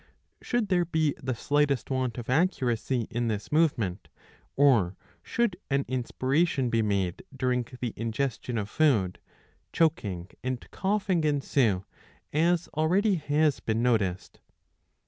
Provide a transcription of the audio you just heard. Should there be the slightest want of accuracy in this movement, or should an inspiration be made during the ingestion of food, choking and coughing ensue, as already has been noticed.